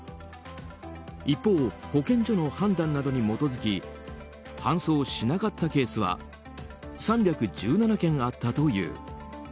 一方、保健所の判断などに基づき搬送しなかったケースは３１７件あったという。